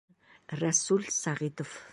Рәсүл СӘҒИТОВ